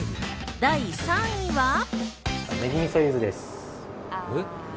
第３位は。